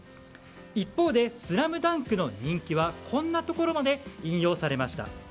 一方で「ＳＬＡＭＤＵＮＫ」の人気はこんなところまで引用されました。